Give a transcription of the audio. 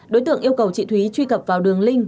đối tượng yêu cầu chị thúy truy cập vào đường link